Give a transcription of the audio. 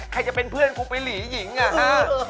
ใครจะเป็นเพื่อนกูไปหลีหญิงอ่ะฮะ